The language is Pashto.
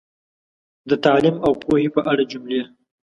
د تعلیم او پوهې په اړه جملې